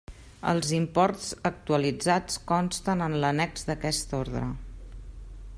Els imports actualitzats consten en l'annex d'aquesta Ordre.